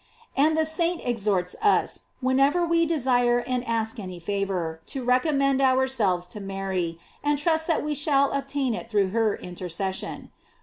* And the saint exhorts us, whenever we desire and ask any favor, to recommend ourselves to Mary, and trust that we shall obtain it through her in tercession.